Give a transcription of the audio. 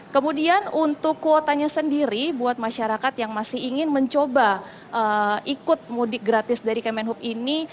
kemudian untuk kuotanya sendiri buat masyarakat yang masih ingin mencoba ikut mudik gratis dari kemenhub ini